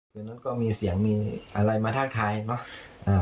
วันนั้นก็มีเสียงมีอะไรมาทักทายเนอะ